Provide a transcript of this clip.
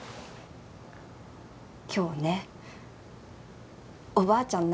今日ねおばあちゃん